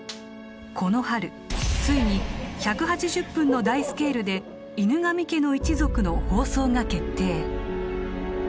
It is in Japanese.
この春ついに１８０分の大スケールで「犬神家の一族」の放送が決定。